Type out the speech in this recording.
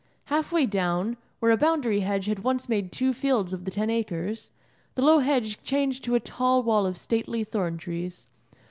Half way down, where a boundary hedge had once made two fields of the Ten Acres, the low hedge changed to a tall wall of stately thorn trees.